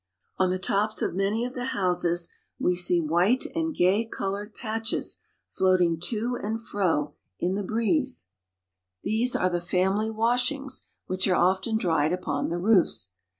On the tops of many of the houses we see white and gay colored patches floating to and fro in the breeze. 338 MEXICO. These are the family washings, which are often dried upon the roofs.